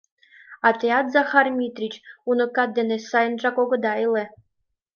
— А теат, Захар Митрич, уныкат дене сайынжак огыда иле.